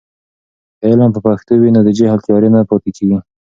که علم په پښتو وي، نو د جهل تیارې نه پاتې کېږي.